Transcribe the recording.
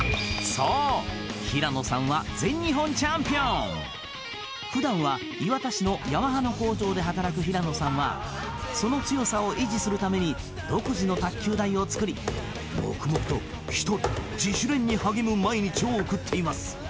そう平野さんは全日本チャンピオン普段は磐田市のヤマハの工場で働く平野さんはその強さを維持するために独自の卓球台を作り黙々と１人自主練に励む毎日を送っています